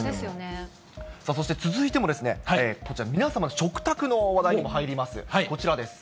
そして続いてもこちら、皆さんの食卓の話題にも入ります、こちらです。